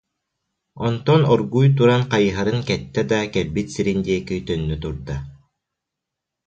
Онтон оргууй туран хайыһарын кэттэ да кэлбит сирин диэки төннө турда